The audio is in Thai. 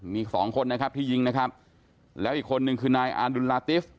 มีสองคนนะครับที่ยิงนะครับแล้วอีกคนนึงคือนายอาดุลลาติฟ